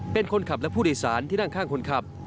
เป็นคนขับและผู้โดยสารที่นั่งข้างคนขับ